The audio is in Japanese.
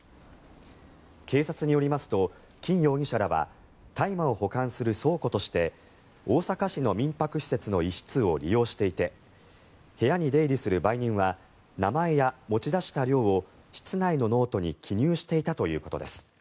警察によりますとキン容疑者らは大麻を保管する倉庫として大阪市の民泊施設の一室を利用していて部屋に出入りする売人は名前や持ち出した量を室内のノートに記入していたということです。